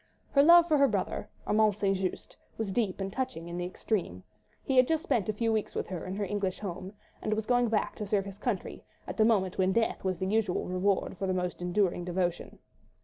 Her love for her brother, Armand St. Just, was deep and touching in the extreme. He had just spent a few weeks with her in her English home, and was going back to serve his country, at a moment when death was the usual reward for the most enduring devotion.